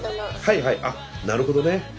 はいはいあっなるほどね。